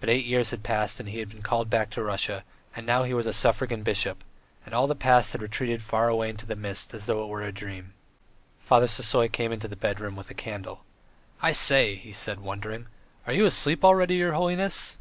But eight years had passed and he had been called back to Russia, and now he was a suffragan bishop, and all the past had retreated far away into the mist as though it were a dream. ... Father Sisoy came into the bedroom with a candle. "I say!" he said, wondering, "are you asleep already, your holiness?"